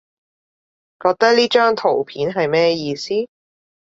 覺得呢張圖片係咩意思？